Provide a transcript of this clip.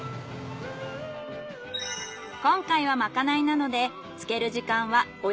今回はまかないなので。